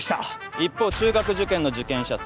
一方中学受験の受験者数